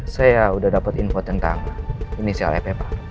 saya udah dapet info tentang inisial ep pak